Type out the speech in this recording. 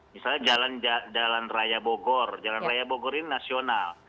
misalnya jalan raya bogor jalan raya bogor ini nasional